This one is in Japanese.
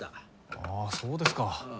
ああそうですか。